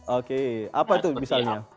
oke apa itu misalnya